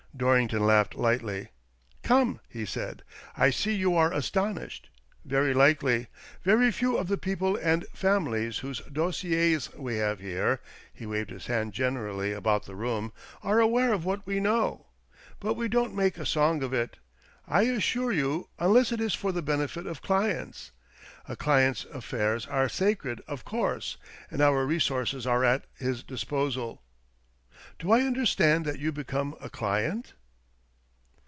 Dorrington laughed lightly. " Come," he said, " I see you are astonished. Very hkely. Very few of the people and families whose dossiers we have here " (he waved his hand generally about the room) " are aware of what we know. But we don't make a song of it, I assure you, unless it is for the benefit of clients. A client's affairs are sacred, of course, and our CASE OF THE " MIREOR OF PORTUGAL'' 121 resources are at his disposal. Do I understand that you become a client